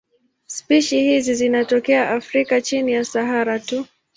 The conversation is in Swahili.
Spishi hizi zinatokea Afrika chini ya Sahara tu.